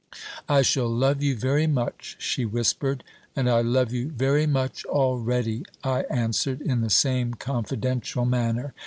"I shall love you very much," she whispered. "And I love you very much already," I answered, in the same confidential manner.